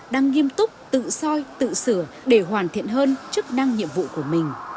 đang nghiêm túc tự soi tự sửa để hoàn thiện hơn chức năng nhiệm vụ của mình